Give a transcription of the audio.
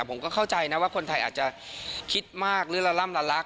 ผมเข้าใจนะว่าคนไทยอาจจะคิดมากรึระล่ำรัก